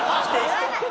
言わない。